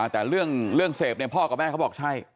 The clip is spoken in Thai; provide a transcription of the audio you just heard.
แต่เรื่องเศพพ่อกับแม่เขาบอกว่าใช่